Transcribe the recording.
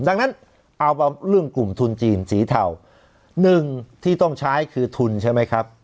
ดังนั้นเอาเรื่องกลุ่มทุนจีนสีเทาหนึ่งที่ต้องใช้คือทุนใช่ไหมครับ